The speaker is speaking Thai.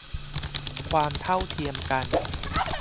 ความเท่าเทียมกัน